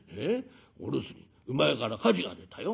お留守に厩から火事が出たよ。